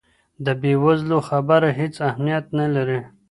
د بې وزلو خبره هیڅ اهمیت نه لري.